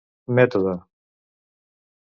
mètode.